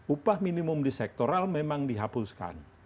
upah minimum di sektoral memang dihapuskan